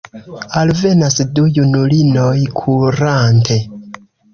Alvenas du junulinoj kurante.